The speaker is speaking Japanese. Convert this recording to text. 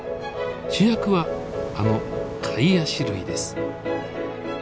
主役はあのカイアシ類です。